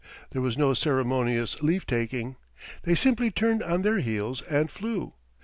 There was no ceremonious leave taking. They simply turned on their heels and flew.